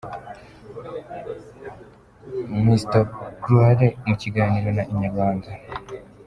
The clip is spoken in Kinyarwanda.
Mr Gloire mu kiganiro na Inyarwanda.